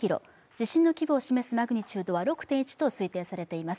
地震の規模を示すマグニチュードは６．１と推定されています。